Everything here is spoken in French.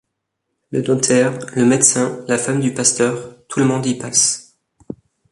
Le notaire, le médecin, la femme du pasteur...tout le monde y passe.